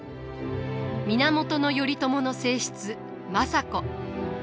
源頼朝の正室政子。